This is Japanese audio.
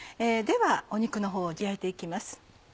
では肉のほうを焼いて行きます。